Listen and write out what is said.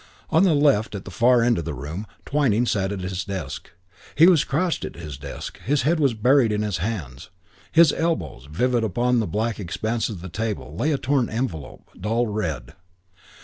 On the left, at the far end of the room, Twyning sat at his desk. He was crouched at his desk. His head was buried in his hands. At his elbows, vivid upon the black expanse of the table, lay a torn envelope, dull red.